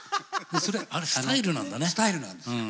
あれスタイルなんだね。スタイルなんですよ。